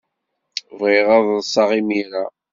Bɣiɣ ad ḍḍseɣ imir-a.